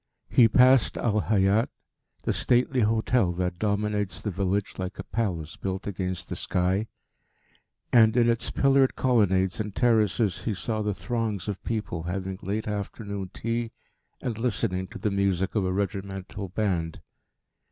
He passed Al Hayat, the stately hotel that dominates the village like a palace built against the sky; and in its pillared colonnades and terraces he saw the throngs of people having late afternoon tea and listening to the music of a regimental band.